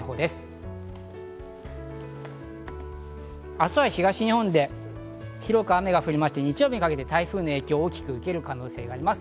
明日は東日本で広く雨が降りまして、日曜日にかけて台風の影響を大きく受ける可能性があります。